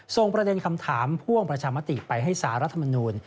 ส่งประเด็นคำถามพ่วงประชามติไปให้สารรัฐมนูล